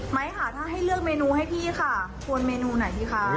ค่ะถ้าให้เลือกเมนูให้พี่ค่ะควรเมนูไหนดีคะ